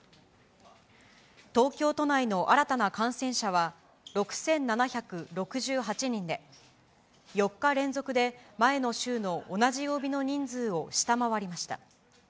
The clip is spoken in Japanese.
東京都内の新たな感染者は６７６８人で、４日連続で前の週の同じ曜日の人数を下回りました。